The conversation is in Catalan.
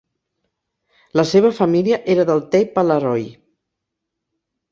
La seva família era del teip Alaroy.